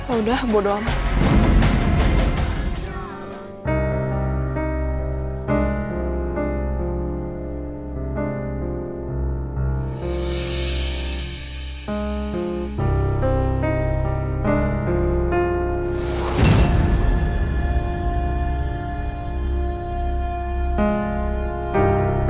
udah bodoh amat